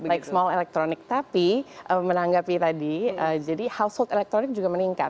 baik small electronic tapi menanggapi tadi jadi household electornic juga meningkat